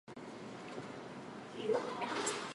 そう思うよね？